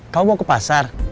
kamu mau ke pasar